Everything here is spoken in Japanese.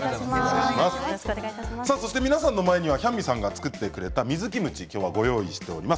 皆さんの前にはヒャンミさんが造ってくれた水キムチをご用意しております。